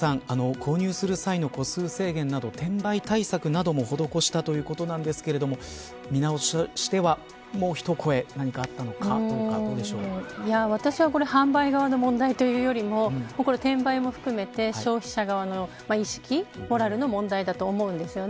購入する際の個数制限など転売対策なども施したということなんですけれども見直しとしては、もう一声何かあったのか私はこれは販売側の問題というよりも転売も含めて消費者側の意識モラルの問題だと思うんですよね。